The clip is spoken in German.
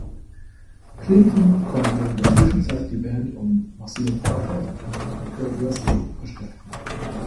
Clinton konnte in der Zwischenzeit die Band um Maceo Parker und Fred Wesley verstärken.